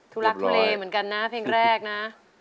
ทุลักทุเลเหมือนกันนะเพลงแรกนะ